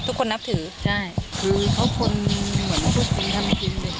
ทุกคนนับถือใช่คือเขาคนเหมือนทุกคนทำกินเลย